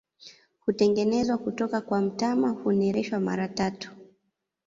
Hutengenezwa kutoka kwa mtama, hunereshwa mara tatu.